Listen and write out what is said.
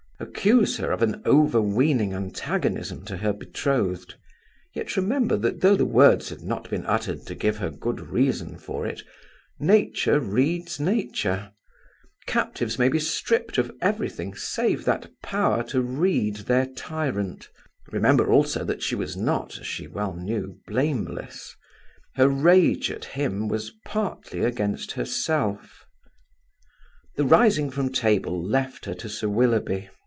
Accuse her of an overweening antagonism to her betrothed; yet remember that though the words had not been uttered to give her good reason for it, nature reads nature; captives may be stript of everything save that power to read their tyrant; remember also that she was not, as she well knew, blameless; her rage at him was partly against herself. The rising from table left her to Sir Willoughby.